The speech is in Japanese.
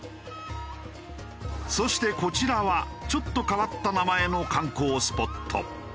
そしてこちらはちょっと変わった名前の観光スポット。